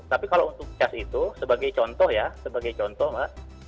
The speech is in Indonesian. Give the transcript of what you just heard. tapi kalau untuk cas itu sebagai contoh ya sebagai contoh mas